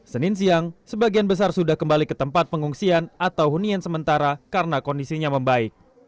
senin siang sebagian besar sudah kembali ke tempat pengungsian atau hunian sementara karena kondisinya membaik